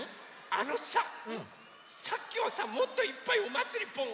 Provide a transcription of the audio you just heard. あのささっきはさもっといっぱい「おまつりぽん！